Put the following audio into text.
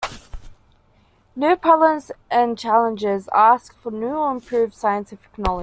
New problems and challenges ask for new or improved scientific knowledge.